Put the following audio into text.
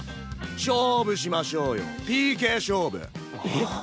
勝負しましょうよＰＫ勝負。